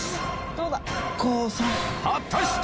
果たして！